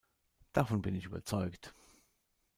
Davon bin ich überzeugt".